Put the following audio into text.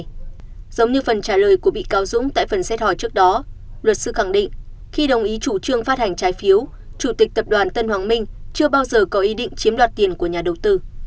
giống như phần trả lời của bị cáo dũng tại phần xét hỏi trước đó luật sư khẳng định khi đồng ý chủ trương phát hành trái phiếu chủ tịch tập đoàn tân hoàng minh chưa bao giờ có ý định chiếm đoạt tiền của nhà đầu tư